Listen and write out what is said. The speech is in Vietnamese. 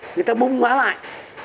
người ta bùng má lại